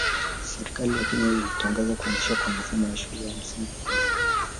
Serikali ya Kenya ilitangaza kuanzishwa kwa masomo ya shule za msingi bure